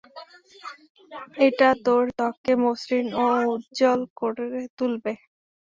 এটা তোর ত্বককে মসৃণ এবং উজ্জ্বল করে তুলবে।